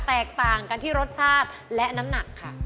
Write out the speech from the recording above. แตกต่างกันที่รสชาติและน้ำหนักค่ะ